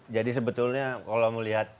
jadi sebetulnya kalau melihat